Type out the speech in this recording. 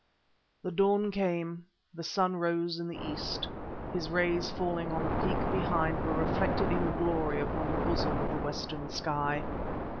The dawn came, the sun rose in the east. His rays falling on the peak behind were reflected in glory upon the bosom of the western sky.